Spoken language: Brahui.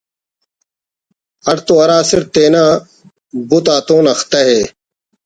اٹ تو ہراسٹ تینا بُت اتون اختہ ءِ